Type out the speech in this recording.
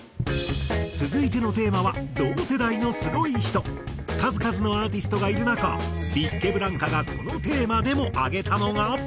続いてのテーマは数々のアーティストがいる中ビッケブランカがこのテーマでも挙げたのが。